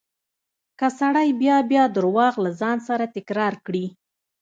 که سړی بيا بيا درواغ له ځان سره تکرار کړي.